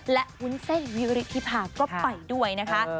และวุ้นเส้นวิริธิภาก็ไปด้วยนะคะ